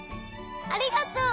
ありがとう！